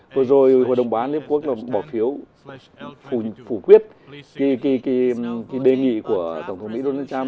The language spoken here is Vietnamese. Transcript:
vừa rồi hội đồng bán liên hợp quốc bỏ thiếu phủ quyết đề nghị của tổng thống mỹ donald trump